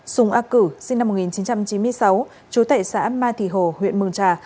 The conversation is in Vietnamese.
sùng a cử sinh năm một nghìn chín trăm chín mươi sáu chú tệ xã ma thị hồ huyện mường trà